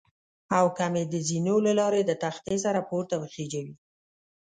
او که مې د زینو له لارې د تختې سره پورته وخېژوي.